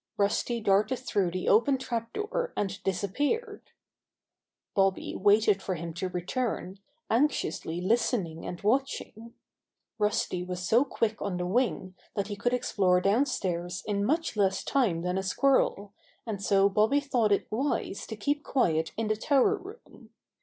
Rusty darted through the open trap door and disappeared. Bobby waited for him to return, anxiously listening and watching. Rusty was so quick on the wing that he could explore downstairs in much less time than a squirrel, and so Bobby thought it wise to keep quiet in the tower room.